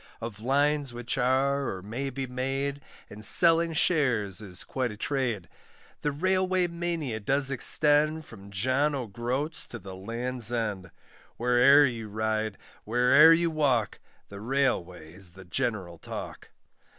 Of lines which are, or may be made, And selling shares is quite a trade. The Railway mania does extend, From John O'Groats to the Land's End; Where'er you ride, where'er you walk, The Railway is the general talk.